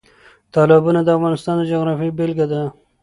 تالابونه د افغانستان د جغرافیې بېلګه ده.